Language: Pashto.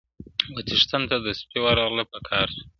و څښتن د سپي ته ورغله په قار سوه,